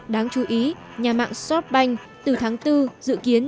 đáng chú ý nhà mạng softbank từ tháng bốn dự kiến